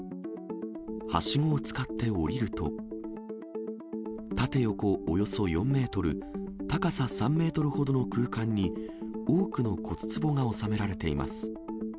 はしごを使って下りると、縦横およそ４メートル、高さ３メートルほどの空間に、多くの骨つぼが納められています。